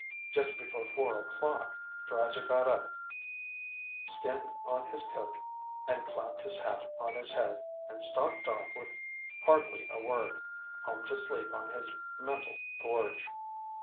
Just before four o'clock, Dreiser got up, skinned on his coat, clapped his hat on his head and stalked off with hardly a word — home to sleep on his mental gorge.